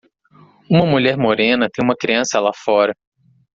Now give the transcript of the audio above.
Uma mulher morena tem uma criança lá fora.